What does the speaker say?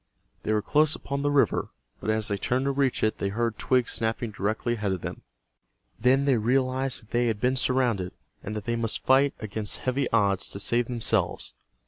They were close upon the river, but as they turned to reach it they heard twigs snapping directly ahead of them. Then they realized that they had been surrounded, and that they must fight against heavy odds to save themselves.